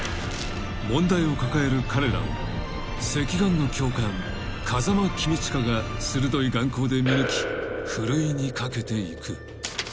［問題を抱える彼らを隻眼の教官風間公親が鋭い眼光で見抜きふるいにかけていく］